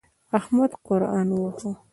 احمد قرآن وواهه.